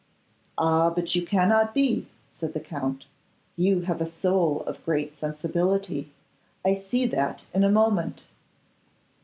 'Ah! but you cannot be,' said the Count, 'you have a soul of great sensibility; I see that in a moment.